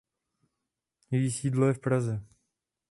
Její sídlo je v Praze.